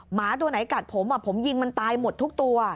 หมาตัวไหนกัดผมผมยิงมันตายหมดทุกตัว